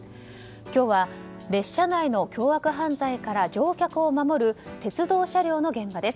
今日は列車内の凶悪犯罪から乗客を守る鉄道車両の現場です。